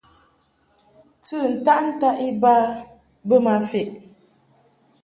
Tɨ ntaʼ ntaʼ iba bə ma feʼ.